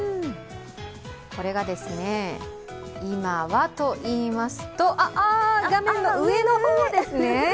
これが今はといいますと画面の上の方ですね。